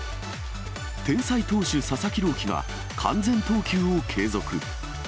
天才投手、佐々木朗希が完全投球を継続。